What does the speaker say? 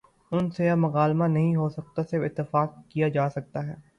ان سے اب مکالمہ نہیں ہو سکتا صرف اتفاق کیا جا سکتا ہے۔